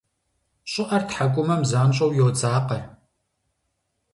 Щӏыӏэр тхьэкӏумэм занщӏэу йодзакъэ.